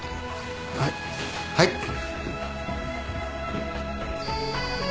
はっはい！